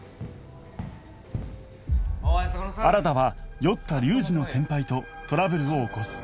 新は酔った龍二の先輩とトラブルを起こす